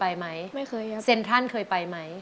แม็กโคเคยไปไหม